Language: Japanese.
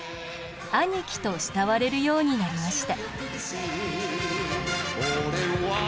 「アニキ」と慕われるようになりました。